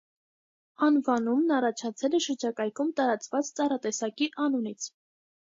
Անվանումն առաջացել է շրջակայքում տարածված ծառատեսակի անունից։